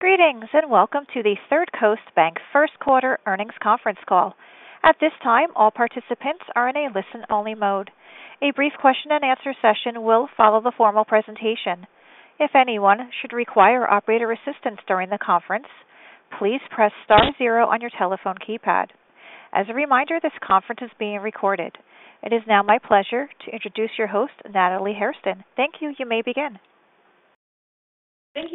Greetings, and Welcome to the Third Coast Bank First Quarter Earnings Conference Call. At this time, all participants are in a listen-only mode. A brief question-and-answer session will follow the formal presentation. If anyone should require operator assistance during the conference, please press star zero on your telephone keypad. As a reminder, this conference is being recorded. It is now my pleasure to introduce your host, Natalie Hairston. Thank you. You may begin. Thank you,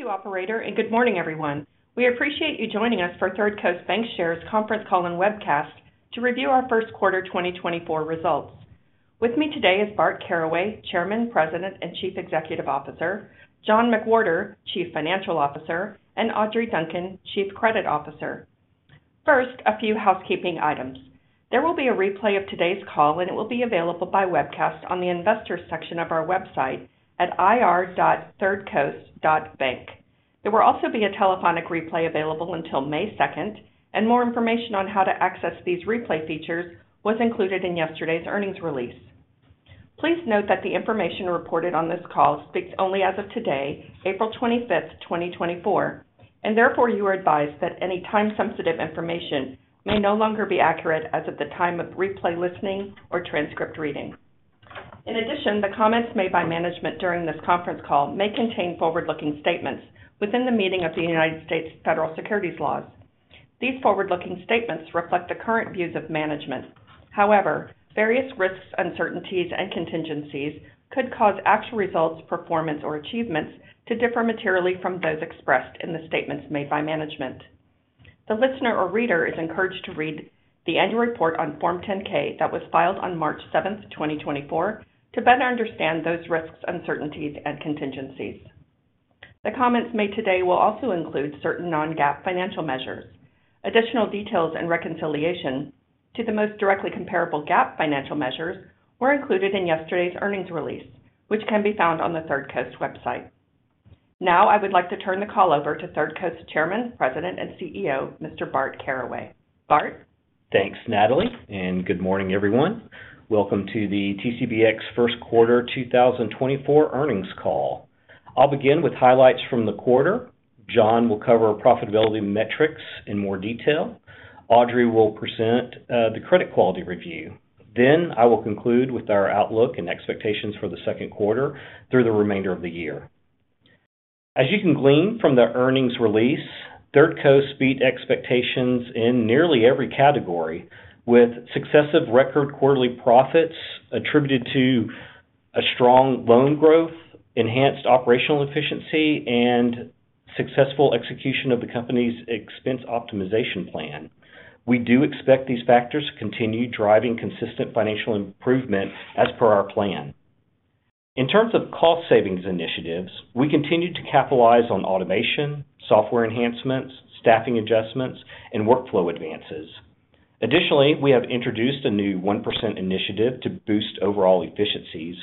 operator, and good morning, everyone. We appreciate you joining us for Third Coast Bancshares conference call and webcast to review our first quarter 2024 results. With me today is Bart Caraway, Chairman, President, and Chief Executive Officer; John McWhorter, Chief Financial Officer; and Audrey Duncan, Chief Credit Officer. First, a few housekeeping items. There will be a replay of today's call, and it will be available by webcast on the Investors section of our website at ir.thirdcoast.bank. There will also be a telephonic replay available until May 2nd, and more information on how to access these replay features was included in yesterday's earnings release. Please note that the information reported on this call speaks only as of today, April 25th, 2024, and therefore, you are advised that any time-sensitive information may no longer be accurate as of the time of replay, listening, or transcript reading. In addition, the comments made by management during this conference call may contain forward-looking statements within the meaning of the United States federal securities laws. These forward-looking statements reflect the current views of management. However, various risks, uncertainties, and contingencies could cause actual results, performance, or achievements to differ materially from those expressed in the statements made by management. The listener or reader is encouraged to read the annual report on Form 10-K that was filed on March 7th, 2024, to better understand those risks, uncertainties, and contingencies. The comments made today will also include certain non-GAAP financial measures. Additional details and reconciliation to the most directly comparable GAAP financial measures were included in yesterday's earnings release, which can be found on the Third Coast website. Now, I would like to turn the call over to Third Coast Chairman, President, and CEO, Mr. Bart Caraway. Bart? Thanks, Natalie, and good morning, everyone. Welcome to the TCBX first quarter 2024 earnings call. I'll begin with highlights from the quarter. John will cover profitability metrics in more detail. Audrey will present the credit quality review. Then I will conclude with our outlook and expectations for the second quarter through the remainder of the year. As you can glean from the earnings release, Third Coast beat expectations in nearly every category, with successive record quarterly profits attributed to a strong loan growth, enhanced operational efficiency, and successful execution of the company's expense optimization plan. We do expect these factors to continue driving consistent financial improvement as per our plan. In terms of cost savings initiatives, we continue to capitalize on automation, software enhancements, staffing adjustments, and workflow advances. Additionally, we have introduced a new 1% initiative to boost overall efficiencies,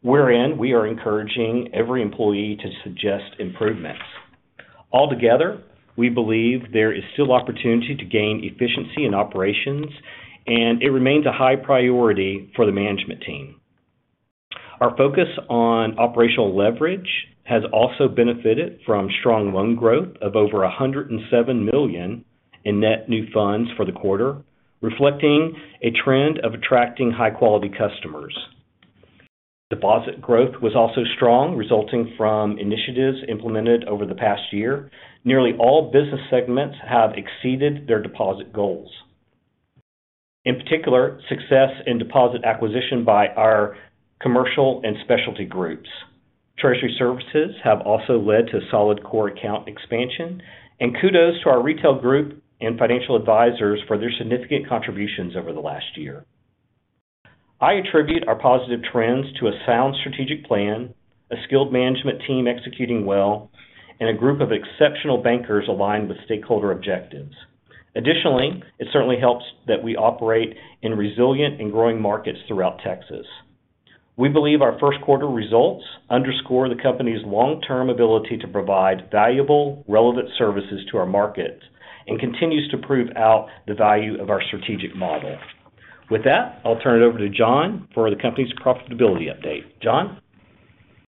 wherein we are encouraging every employee to suggest improvements. Altogether, we believe there is still opportunity to gain efficiency in operations, and it remains a high priority for the management team. Our focus on operational leverage has also benefited from strong loan growth of over $107 million in net new funds for the quarter, reflecting a trend of attracting high-quality customers. Deposit growth was also strong, resulting from initiatives implemented over the past year. Nearly all business segments have exceeded their deposit goals. In particular, success in deposit acquisition by our commercial and specialty groups. Treasury services have also led to solid core account expansion, and kudos to our retail group and financial advisors for their significant contributions over the last year. I attribute our positive trends to a sound strategic plan, a skilled management team executing well, and a group of exceptional bankers aligned with stakeholder objectives. Additionally, it certainly helps that we operate in resilient and growing markets throughout Texas. We believe our first quarter results underscore the company's long-term ability to provide valuable, relevant services to our market and continues to prove out the value of our strategic model. With that, I'll turn it over to John for the company's profitability update. John?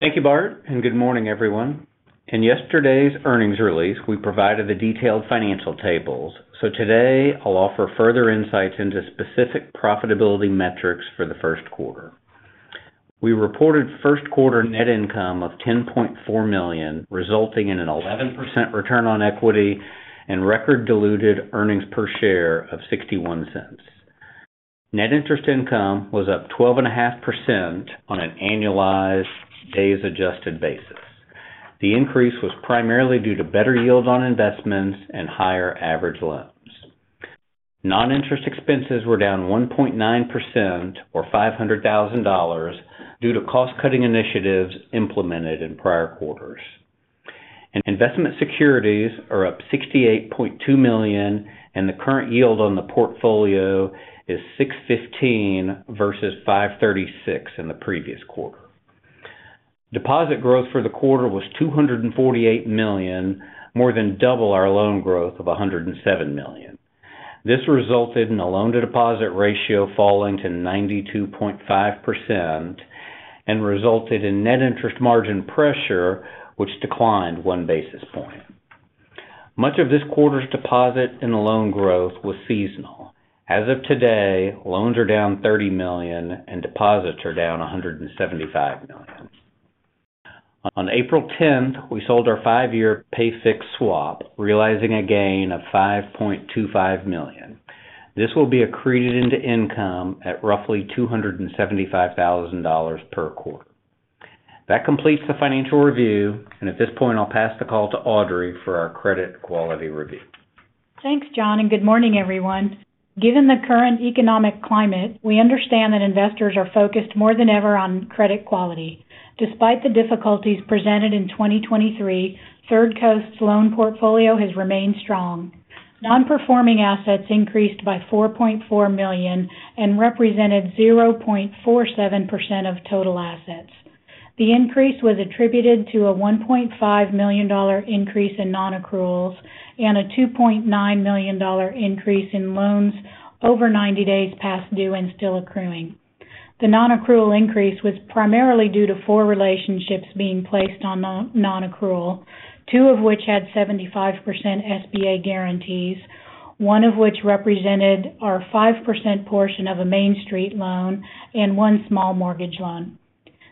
Thank you, Bart, and good morning, everyone. In yesterday's earnings release, we provided the detailed financial tables, so today I'll offer further insights into specific profitability metrics for the first quarter. We reported first quarter net income of $10.4 million, resulting in an 11% return on equity and record diluted earnings per share of $0.61. Net interest income was up 12.5% on an annualized days adjusted basis. The increase was primarily due to better yields on investments and higher average loans. Non-interest expenses were down 1.9% or $500,000 due to cost-cutting initiatives implemented in prior quarters. Investment securities are up $68.2 million, and the current yield on the portfolio is 6.15% versus 5.36% in the previous quarter. Deposit growth for the quarter was $248 million, more than double our loan growth of $107 million. This resulted in a loan-to-deposit ratio falling to 92.5% and resulted in net interest margin pressure, which declined 1 basis point. Much of this quarter's deposit and loan growth was seasonal. As of today, loans are down $30 million, and deposits are down $175 million. On April 10th, we sold our five-year pay fixed swap, realizing a gain of $5.25 million. This will be accreted into income at roughly $275,000 per quarter. That completes the financial review, and at this point, I'll pass the call to Audrey for our credit quality review. Thanks, John, and good morning, everyone. Given the current economic climate, we understand that investors are focused more than ever on credit quality. Despite the difficulties presented in 2023, Third Coast's loan portfolio has remained strong. Non-performing assets increased by $4.4 million and represented 0.47% of total assets. The increase was attributed to a $1.5 million increase in non-accruals and a $2.9 million increase in loans over 90 days past due and still accruing. The non-accrual increase was primarily due to four relationships being placed on non-accrual, two of which had 75% SBA guarantees, one of which represented our 5% portion of a Main Street loan, and one small mortgage loan.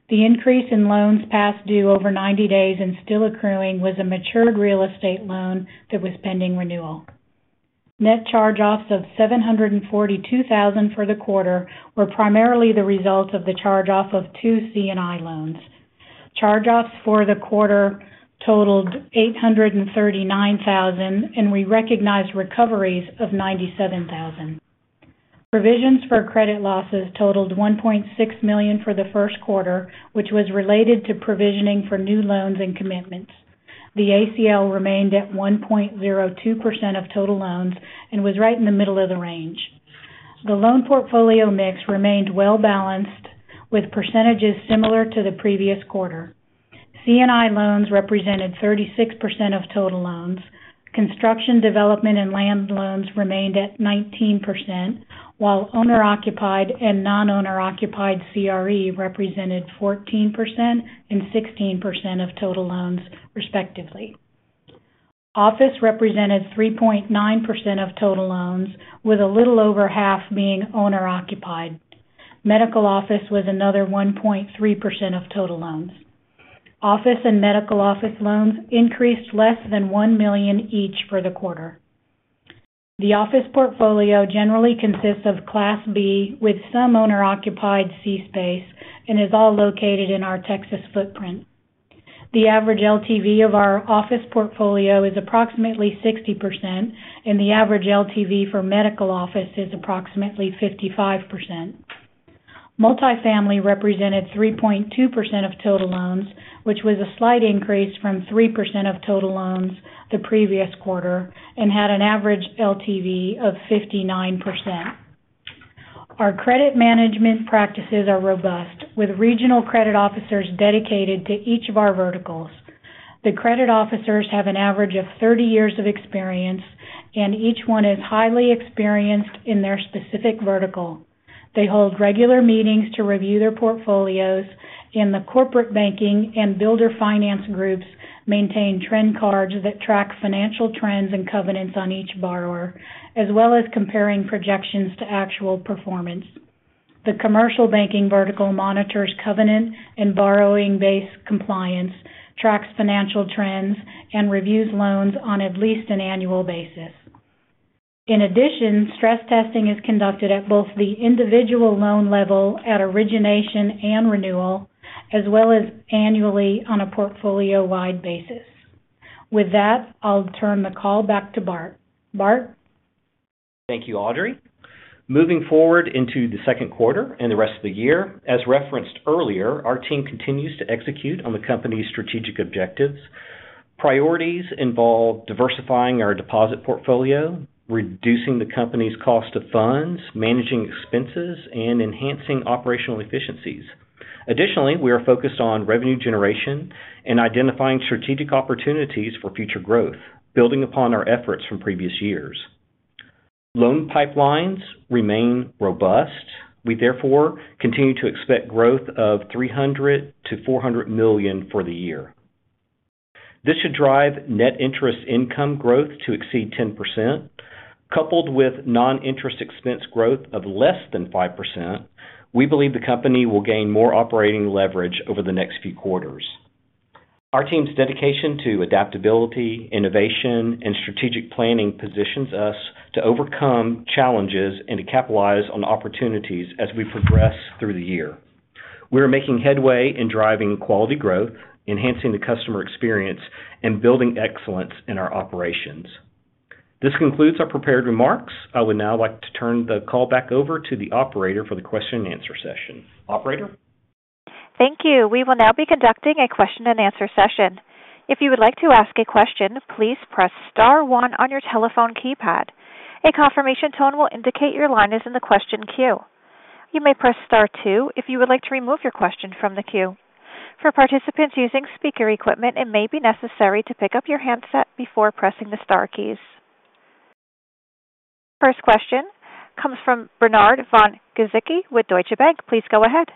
The increase in loans past due over 90 days and still accruing was a matured real estate loan that was pending renewal. Net charge-offs of $742,000 for the quarter were primarily the result of the charge-off of two C&I loans. Charge-offs for the quarter totaled $839,000, and we recognized recoveries of $97,000. Provisions for credit losses totaled $1.6 million for the first quarter, which was related to provisioning for new loans and commitments. The ACL remained at 1.02% of total loans and was right in the middle of the range. The loan portfolio mix remained well balanced, with percentages similar to the previous quarter. C&I loans represented 36% of total loans. Construction, development, and land loans remained at 19%, while owner-occupied and non-owner-occupied CRE represented 14% and 16% of total loans, respectively. Office represented 3.9% of total loans, with a little over half being owner-occupied. Medical office was another 1.3% of total loans. Office and medical office loans increased less than $1 million each for the quarter. The office portfolio generally consists of Class B, with some owner-occupied C space, and is all located in our Texas footprint. The average LTV of our office portfolio is approximately 60%, and the average LTV for medical office is approximately 55%. Multifamily represented 3.2% of total loans, which was a slight increase from 3% of total loans the previous quarter, and had an average LTV of 59%. Our credit management practices are robust, with regional credit officers dedicated to each of our verticals. The credit officers have an average of 30 years of experience, and each one is highly experienced in their specific vertical. They hold regular meetings to review their portfolios, and the corporate banking and builder finance groups maintain trend cards that track financial trends and covenants on each borrower, as well as comparing projections to actual performance. The commercial banking vertical monitors covenant and borrowing-based compliance, tracks financial trends, and reviews loans on at least an annual basis. In addition, stress testing is conducted at both the individual loan level, at origination and renewal, as well as annually on a portfolio-wide basis. With that, I'll turn the call back to Bart. Bart? Thank you, Audrey. Moving forward into the second quarter and the rest of the year, as referenced earlier, our team continues to execute on the company's strategic objectives. Priorities involve diversifying our deposit portfolio, reducing the company's cost of funds, managing expenses, and enhancing operational efficiencies. Additionally, we are focused on revenue generation and identifying strategic opportunities for future growth, building upon our efforts from previous years. Loan pipelines remain robust. We, therefore, continue to expect growth of $300 million-$400 million for the year. This should drive net interest income growth to exceed 10%, coupled with non-interest expense growth of less than 5%. We believe the company will gain more operating leverage over the next few quarters. Our team's dedication to adaptability, innovation, and strategic planning positions us to overcome challenges and to capitalize on opportunities as we progress through the year. We are making headway in driving quality growth, enhancing the customer experience, and building excellence in our operations. This concludes our prepared remarks. I would now like to turn the call back over to the operator for the question and answer session. Operator? Thank you. We will now be conducting a question-and-answer session. If you would like to ask a question, please press star one on your telephone keypad. A confirmation tone will indicate your line is in the question queue. You may press star two if you would like to remove your question from the queue. For participants using speaker equipment, it may be necessary to pick up your handset before pressing the star keys. First question comes from Bernard Von Gizycki with Deutsche Bank. Please go ahead.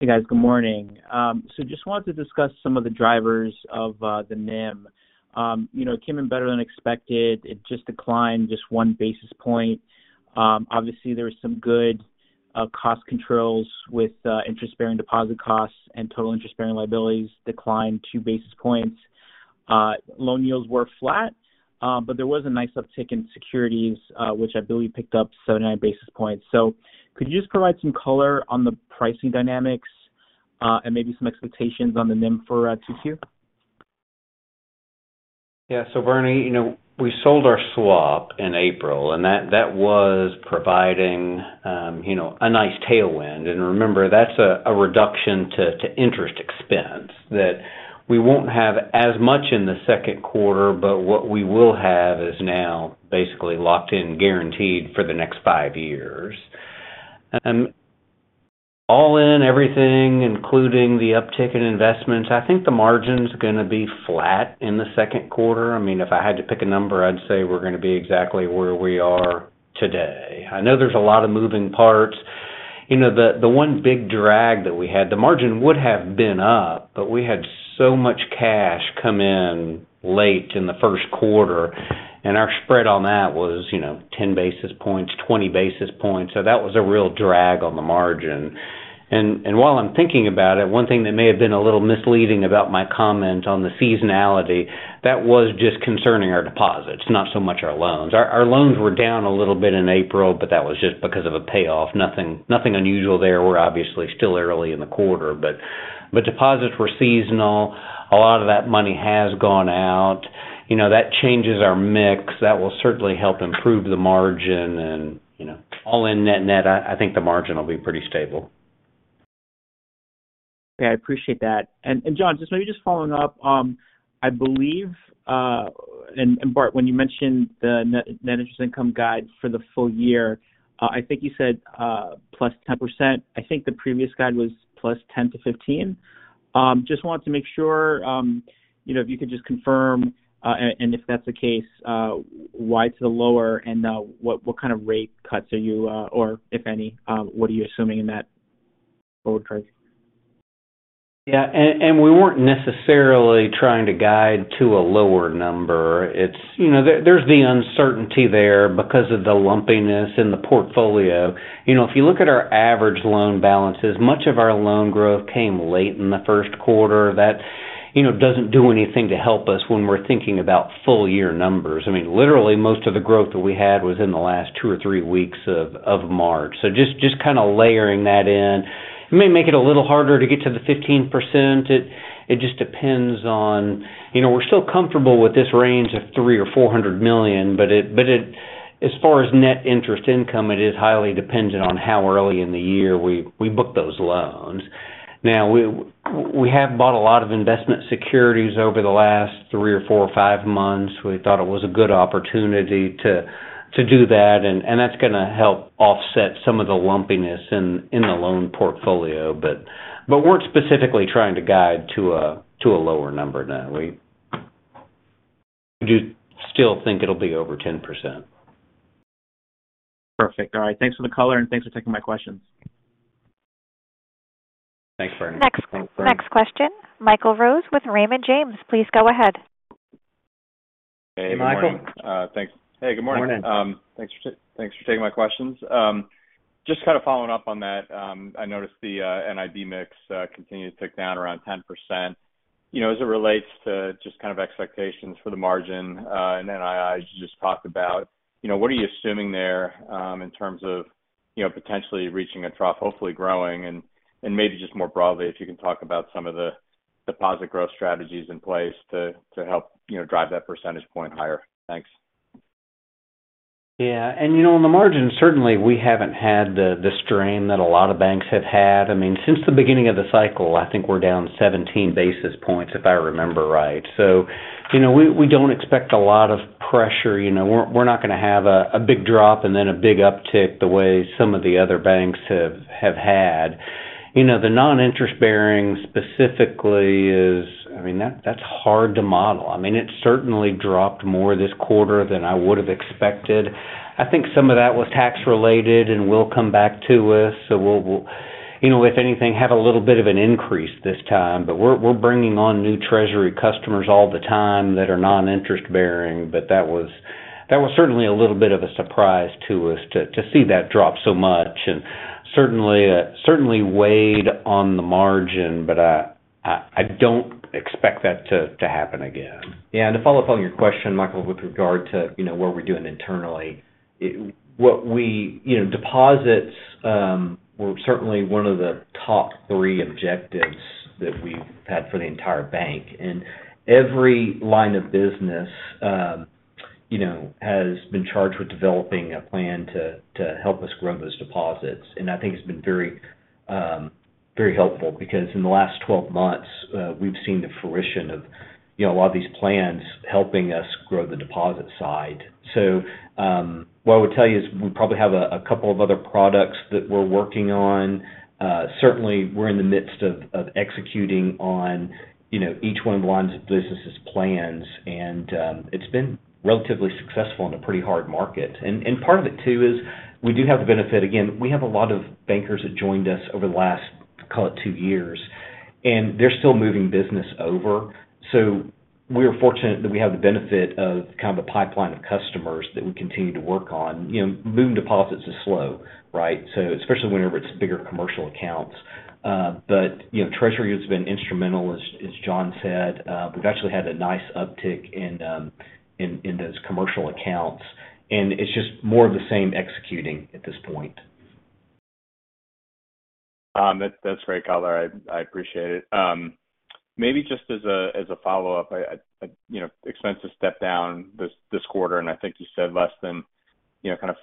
Hey, guys. Good morning. So just wanted to discuss some of the drivers of the NIM. You know, it came in better than expected. It just declined just 1 basis point. Obviously, there was some good cost controls with interest-bearing deposit costs and total interest-bearing liabilities declined 2 basis points. Loan yields were flat, but there was a nice uptick in securities, which I believe picked up 79 basis points. So could you just provide some color on the pricing dynamics, and maybe some expectations on the NIM for 2Q? Yeah. So Bernie, you know, we sold our swap in April, and that, that was providing, you know, a nice tailwind. And remember, that's a, a reduction to, to interest expense that we won't have as much in the second quarter, but what we will have is now basically locked in, guaranteed for the next five years. All in everything, including the uptick in investments, I think the margin's gonna be flat in the second quarter. I mean, if I had to pick a number, I'd say we're gonna be exactly where we are today. I know there's a lot of moving parts. You know, the, the one big drag that we had, the margin would have been up, but we had so much cash come in late in the first quarter, and our spread on that was, you know, 10 basis points, 20 basis points. So that was a real drag on the margin. And while I'm thinking about it, one thing that may have been a little misleading about my comment on the seasonality, that was just concerning our deposits, not so much our loans. Our loans were down a little bit in April, but that was just because of a payoff. Nothing unusual there. We're obviously still early in the quarter, but deposits were seasonal. A lot of that money has gone out. You know, that changes our mix. That will certainly help improve the margin. And, you know, all in net-net, I think the margin will be pretty stable. Okay, I appreciate that. And John, just maybe following up, I believe, and Bart, when you mentioned the net interest income guide for the full year, I think you said +10%. I think the previous guide was +10%-15%. Just wanted to make sure, you know, if you could just confirm, and if that's the case, why it's the lower and, what kind of rate cuts are you, or if any, what are you assuming in that forward price? Yeah, and we weren't necessarily trying to guide to a lower number. It's, you know, there's the uncertainty there because of the lumpiness in the portfolio. You know, if you look at our average loan balances, much of our loan growth came late in the first quarter. That, you know, doesn't do anything to help us when we're thinking about full year numbers. I mean, literally, most of the growth that we had was in the last two or three weeks of March. So just kind of layering that in. It may make it a little harder to get to the 15%. It just depends on. You know, we're still comfortable with this range of $300 million-$400 million, but it, as far as net interest income, it is highly dependent on how early in the year we book those loans. Now, we have bought a lot of investment securities over the last three, four or five months. We thought it was a good opportunity to do that, and that's gonna help offset some of the lumpiness in the loan portfolio. But we're specifically trying to guide to a lower number now. We do still think it'll be over 10%. Perfect. All right. Thanks for the color, and thanks for taking my questions. Thanks, Bernie. Next, next question, Michael Rose with Raymond James. Please go ahead. Hey, Michael. Hey, good morning. thanks. Morning. Thanks for taking my questions. Just kind of following up on that, I noticed the NIB mix continued to tick down around 10%. You know, as it relates to just kind of expectations for the margin and NII, as you just talked about, you know, what are you assuming there in terms of, you know, potentially reaching a trough, hopefully growing? And maybe just more broadly, if you can talk about some of the deposit growth strategies in place to help, you know, drive that percentage point higher. Thanks. Yeah, and you know, on the margin, certainly we haven't had the strain that a lot of banks have had. I mean, since the beginning of the cycle, I think we're down 17 basis points, if I remember right. So, you know, we don't expect a lot of pressure. You know, we're not gonna have a big drop and then a big uptick the way some of the other banks have had. You know, the non-interest bearing specifically is... I mean, that's hard to model. I mean, it certainly dropped more this quarter than I would have expected. I think some of that was tax-related and will come back to us. So we'll, you know, if anything, have a little bit of an increase this time. But we're bringing on new treasury customers all the time that are non-interest bearing, but that was certainly a little bit of a surprise to us to see that drop so much, and certainly weighed on the margin, but I don't expect that to happen again. Yeah, and to follow up on your question, Michael, with regard to you know where we're doing internally, you know, deposits were certainly one of the top three objectives that we've had for the entire bank, and every line of business. You know, has been charged with developing a plan to help us grow those deposits. And I think it's been very, very helpful, because in the last 12 months, we've seen the fruition of, you know, a lot of these plans helping us grow the deposit side. So, what I would tell you is we probably have a couple of other products that we're working on. Certainly, we're in the midst of executing on, you know, each one of the lines of business's plans, and it's been relatively successful in a pretty hard market. And part of it, too, is we do have the benefit. Again, we have a lot of bankers that joined us over the last, call it, two years, and they're still moving business over. So we are fortunate that we have the benefit of kind of a pipeline of customers that we continue to work on. You know, moving deposits is slow, right? So especially whenever it's bigger commercial accounts. But, you know, treasury has been instrumental, as John said. We've actually had a nice uptick in those commercial accounts, and it's just more of the same executing at this point. That, that's great, Collier. I appreciate it. Maybe just as a follow-up, I, you know, expenses step down this quarter, and I think you said less than, you know, kind of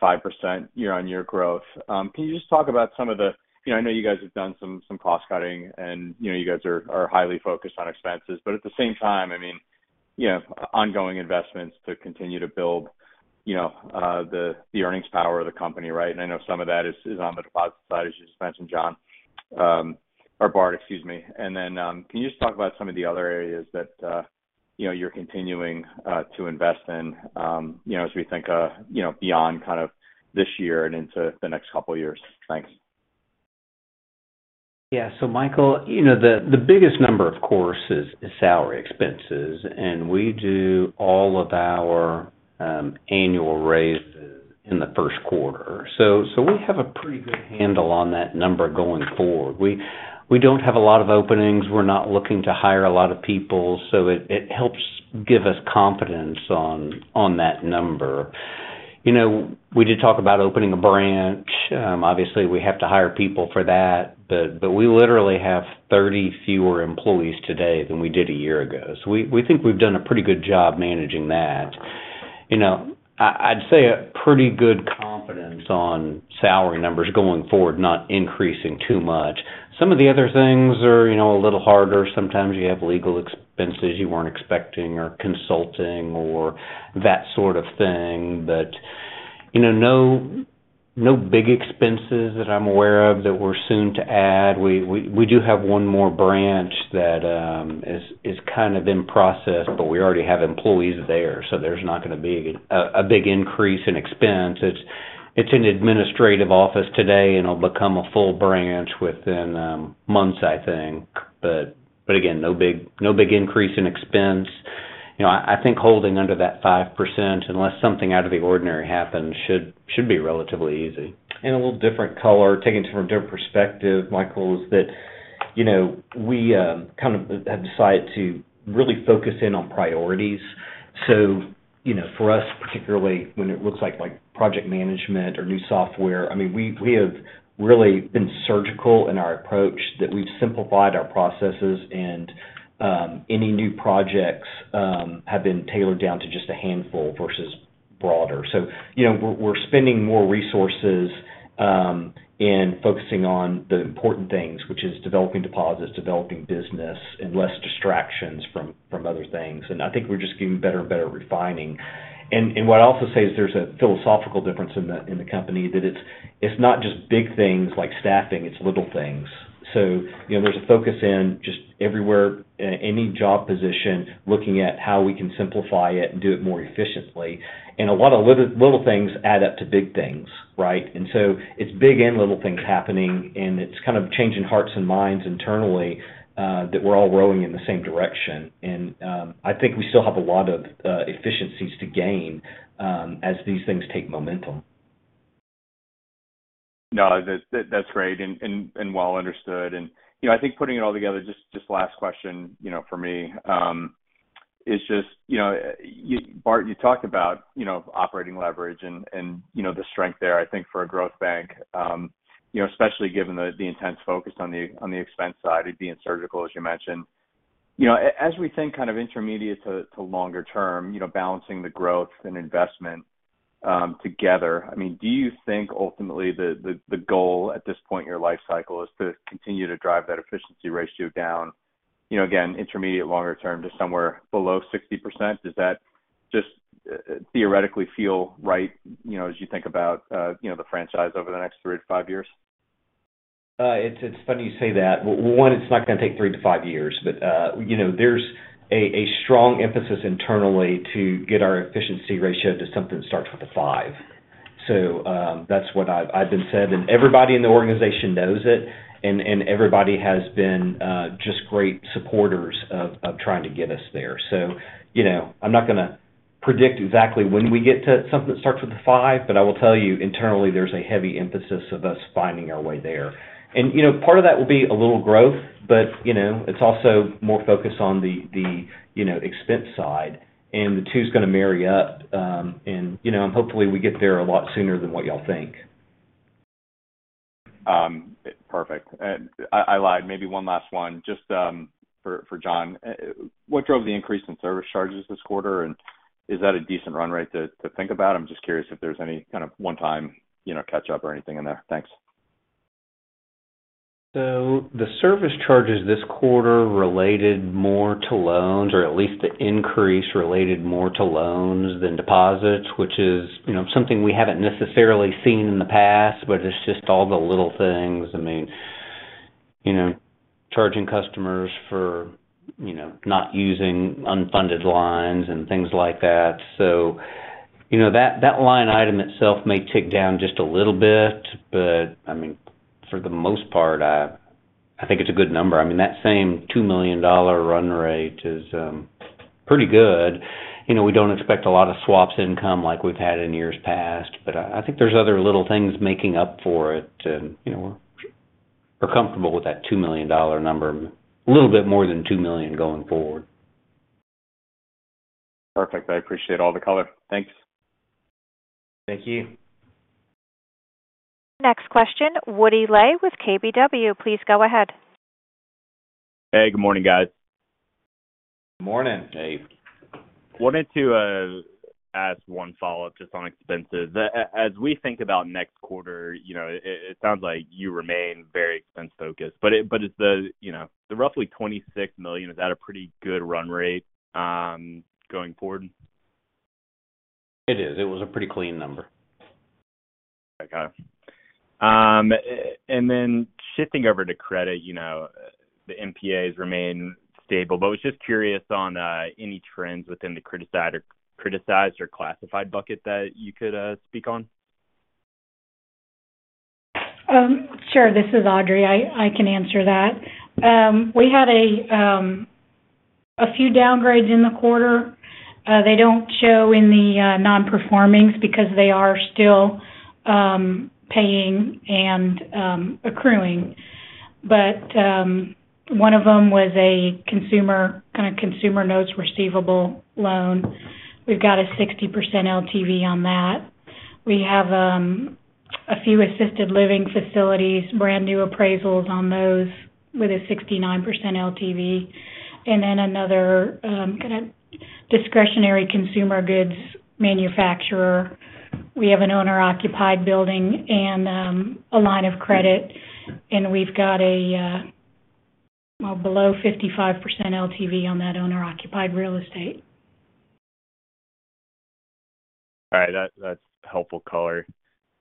5% year-on-year growth. Can you just talk about some of the-- You know, I know you guys have done some cost cutting, and, you know, you guys are highly focused on expenses, but at the same time, I mean, you know, ongoing investments to continue to build, you know, the earnings power of the company, right? And I know some of that is on the deposit side, as you just mentioned, John, or Bart, excuse me. Can you just talk about some of the other areas that, you know, you're continuing to invest in, you know, as we think, you know, beyond kind of this year and into the next couple of years? Thanks. Yeah. So, Michael, you know, the biggest number, of course, is salary expenses, and we do all of our annual raises in the first quarter. So we have a pretty good handle on that number going forward. We don't have a lot of openings. We're not looking to hire a lot of people, so it helps give us confidence on that number. You know, we did talk about opening a branch. Obviously, we have to hire people for that, but we literally have 30 fewer employees today than we did a year ago. So we think we've done a pretty good job managing that. You know, I'd say a pretty good confidence on salary numbers going forward, not increasing too much. Some of the other things are, you know, a little harder. Sometimes you have legal expenses you weren't expecting or consulting or that sort of thing. But, you know, no big expenses that I'm aware of that we're soon to add. We do have one more branch that is kind of in process, but we already have employees there, so there's not gonna be a big increase in expense. It's an administrative office today and will become a full branch within months, I think. But again, no big increase in expense. You know, I think holding under that 5%, unless something out of the ordinary happens, should be relatively easy. And a little different color, taking it from a different perspective, Michael, is that, you know, we kind of have decided to really focus in on priorities. So, you know, for us, particularly when it looks like, like project management or new software, I mean, we have really been surgical in our approach, that we've simplified our processes and any new projects have been tailored down to just a handful versus broader. So, you know, we're spending more resources in focusing on the important things, which is developing deposits, developing business, and less distractions from other things. And I think we're just getting better and better at refining. And what I'd also say is there's a philosophical difference in the company, that it's not just big things like staffing, it's little things. So, you know, there's a focus in just everywhere, any job position, looking at how we can simplify it and do it more efficiently. A lot of little, little things add up to big things, right? So it's big and little things happening, and it's kind of changing hearts and minds internally, that we're all rowing in the same direction. I think we still have a lot of efficiencies to gain, as these things take momentum. No, that's great and well understood. And, you know, I think putting it all together, just last question, you know, for me, is just, you know, you—Bart, you talked about, you know, operating leverage and, you know, the strength there, I think, for a growth bank, you know, especially given the intense focus on the expense side and being surgical, as you mentioned. You know, as we think kind of intermediate to longer term, you know, balancing the growth and investment together, I mean, do you think ultimately the goal at this point in your life cycle is to continue to drive that efficiency ratio down, you know, again, intermediate, longer term, to somewhere below 60%? Does that just theoretically feel right, you know, as you think about, you know, the franchise over the next three to five years? It's funny you say that. Well, one, it's not gonna take 3three to five years, but you know, there's a strong emphasis internally to get our efficiency ratio to something that starts with a five. So, that's what I've been said, and everybody in the organization knows it, and everybody has been just great supporters of trying to get us there. So, you know, I'm not gonna predict exactly when we get to something that starts with a five, but I will tell you, internally, there's a heavy emphasis of us finding our way there. And, you know, part of that will be a little growth, but you know, it's also more focused on the expense side, and the two's gonna marry up. you know, and hopefully, we get there a lot sooner than what y'all think. Perfect. And I lied, maybe one last one, just for John. What drove the increase in service charges this quarter, and is that a decent run rate to think about? I'm just curious if there's any kind of one-time, you know, catch-up or anything in there. Thanks. So the service charges this quarter related more to loans, or at least the increase related more to loans than deposits, which is, you know, something we haven't necessarily seen in the past, but it's just all the little things. I mean, you know, charging customers for, you know, not using unfunded lines and things like that. So, you know, that line item itself may tick down just a little bit, but, I mean, for the most part, I think it's a good number. I mean, that same $2 million run rate is pretty good. You know, we don't expect a lot of swaps income like we've had in years past, but I think there's other little things making up for it. And, you know, we're comfortable with that $2 million number, a little bit more than $2 million going forward. Perfect. I appreciate all the color. Thanks. Thank you. Next question, Woody Lay with KBW. Please go ahead. Hey, good morning, guys. Morning Wanted to ask one follow-up just on expenses. As we think about next quarter, you know, it sounds like you remain very expense-focused, but is the, you know, the roughly $26 million, is that a pretty good run rate, going forward? It is. It was a pretty clean number. Okay. And then shifting over to credit, you know, the NPAs remain stable, but was just curious on any trends within the criticized or classified bucket that you could speak on? Sure. This is Audrey. I can answer that. We had a few downgrades in the quarter. They don't show in the non-performings because they are still paying and accruing. But one of them was a consumer kind of consumer notes receivable loan. We've got a 60% LTV on that. We have a few assisted living facilities, brand-new appraisals on those with a 69% LTV, and then another kind of discretionary consumer goods manufacturer. We have an owner-occupied building and a line of credit, and we've got a well below 55% LTV on that owner-occupied real estate. All right, that's helpful color.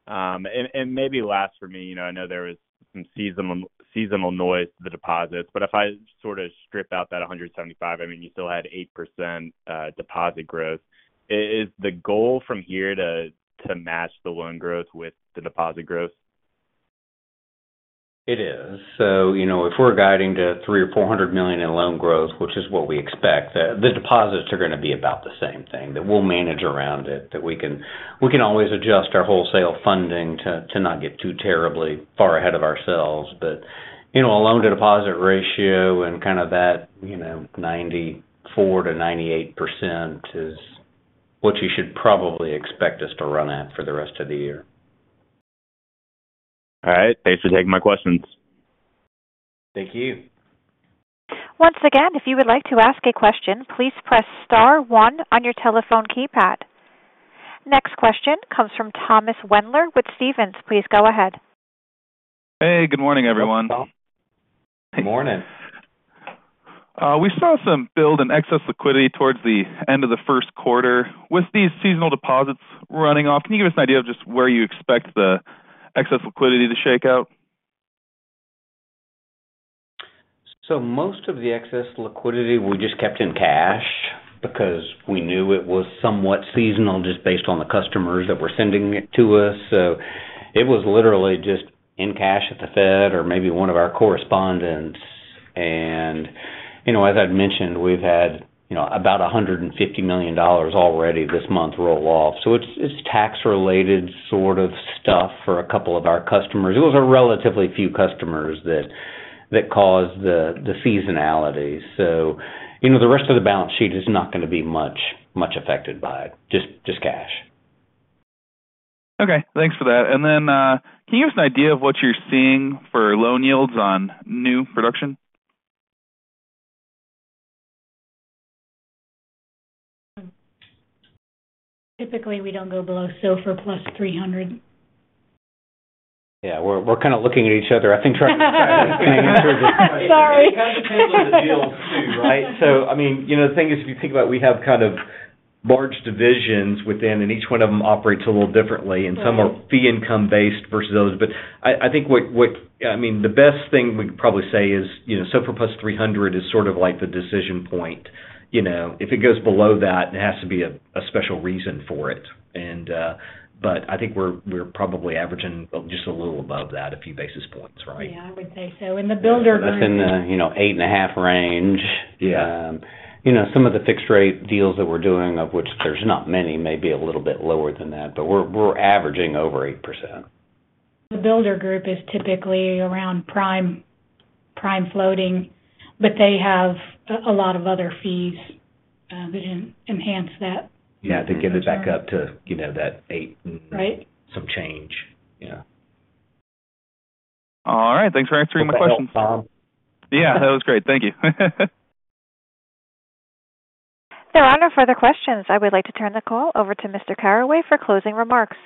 And maybe last for me, you know, I know there was some seasonal noise to the deposits, but if I sort of strip out that $175, I mean, you still had 8% deposit growth. Is the goal from here to match the loan growth with the deposit growth? It is. So, you know, if we're guiding to $300 million-$400 million in loan growth, which is what we expect, the deposits are gonna be about the same thing, that we'll manage around it, that we can always adjust our wholesale funding to not get too terribly far ahead of ourselves. But, you know, a loan-to-deposit ratio and kind of that, you know, 94%-98% is what you should probably expect us to run at for the rest of the year. All right. Thanks for taking my questions. Thank you. Once again, if you would like to ask a question, please press star one on your telephone keypad. Next question comes from Thomas Wendler with Stephens. Please go ahead. Hey, good morning, everyone. Good morning. We saw some build in excess liquidity toward the end of the first quarter. With these seasonal deposits running off, can you give us an idea of just where you expect the excess liquidity to shake out? So most of the excess liquidity we just kept in cash because we knew it was somewhat seasonal, just based on the customers that were sending it to us. So it was literally just in cash at the Fed or maybe one of our correspondents. And, you know, as I'd mentioned, we've had, you know, about $150 million already this month roll off. So it's tax-related sort of stuff for a couple of our customers. It was a relatively few customers that caused the seasonality. So, you know, the rest of the balance sheet is not gonna be much affected by it, just cash. Okay, thanks for that. And then, can you give us an idea of what you're seeing for loan yields on new production? Typically, we don't go below SOFR plus 300. Yeah, we're kind of looking at each other, I think, trying to- Sorry. It depends on the deals, too, right? So, I mean, you know, the thing is, if you think about it, we have kind of large divisions within, and each one of them operates a little differently, and some are fee income-based versus others. But I think... I mean, the best thing we'd probably say is, you know, SOFR plus 300 is sort of like the decision point. You know, if it goes below that, it has to be a special reason for it. But I think we're probably averaging just a little above that, a few basis points, right? Yeah, I would say so. In the builder group- It's in the, you know, 8.5 range. You know, some of the fixed-rate deals that we're doing, of which there's not many, may be a little bit lower than that, but we're averaging over 8%. The builder group is typically around Prime, Prime floating, but they have a lot of other fees that enhance that. Yeah, to get it back up to, you know, that eight- Right Some change. Yeah. All right. Thanks for answering my questions. Hope that helped, Tom. Yeah, that was great. Thank you. There are no further questions. I would like to turn the call over to Mr. Caraway for closing remarks.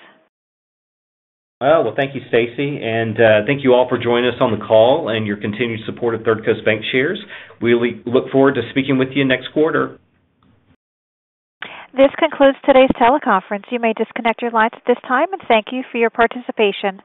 Oh, well, thank you, Stacy, and thank you all for joining us on the call and your continued support of Third Coast Bancshares. We look forward to speaking with you next quarter. This concludes today's teleconference. You may disconnect your lines at this time, and thank you for your participation.